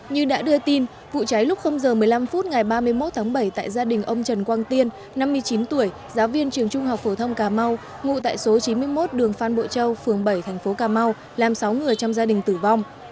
như đã đưa tin vụ cháy lúc giờ một mươi năm phút ngày ba mươi một tháng bảy tại gia đình ông trần quang tiên năm mươi chín tuổi giáo viên trường trung học phổ thông cà mau ngụ tại số chín mươi một đường phan bội châu phường bảy thành phố cà mau làm sáu người trong gia đình tử vong